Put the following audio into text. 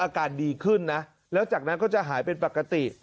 อาการดีขึ้นนะแล้วจากนั้นก็จะหายเป็นปกติ